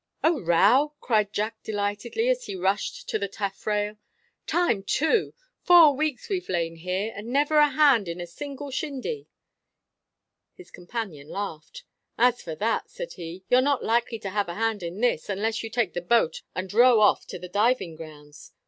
"A row!" cried Jack delightedly, as he rushed to the taffrail. "Time, too; four weeks we've lain here, and never a hand in a single shindy!" His companion laughed. "As for that," said he, "you're not likely to have a hand in this, unless you take the boat and row off to the diving grounds.